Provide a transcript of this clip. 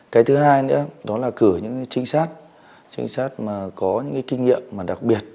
cái thứ hai nữa đó là cử những trinh sát trinh sát mà có những kinh nghiệm mà đặc biệt